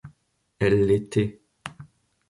Elle l'était.